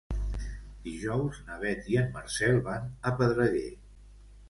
Dijous na Beth i en Marcel van a Pedreguer.